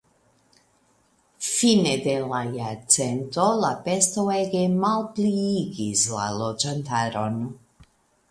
Fine de la jarcento la pesto ege malpliigis la loĝantaron.